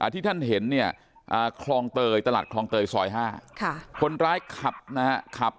ที่ท่านเห็นเนี่ยคลองเตยตลาดคลองเตยซอย๕คนร้ายขับนะครับ